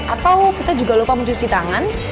atau kita juga lupa mencuci tangan